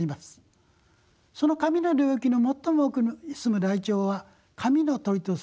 その神の領域の最も奥に住むライチョウは神の鳥とさ